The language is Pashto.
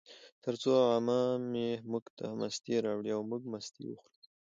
ترڅو عمه مې موږ ته مستې راوړې، او موږ مستې وخوړې